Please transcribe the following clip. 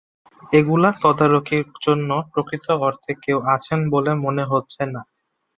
এগুলো তদারকির জন্য প্রকৃত অর্থে কেউ আছেন বলে মনে হচ্ছে না।